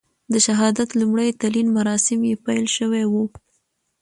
د شهادت لومړي تلین مراسم یې پیل شوي وو.